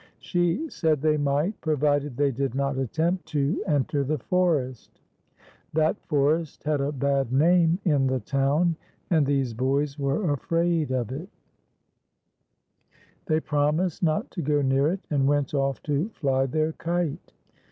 She said they might, provided they did not attempt to enter the forest. That forest had a bad name in the town, and these boys were afraid of it. 122 TIPSY' S SILVER BELL. They promised not to go near it, and went off to fly their kite.